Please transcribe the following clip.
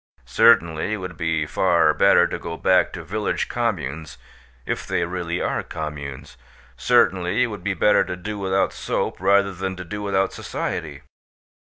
Certainly, it would be far better to go back to village communes, if they really are communes. Certainly, it would be better to do without soap rather than to do without society.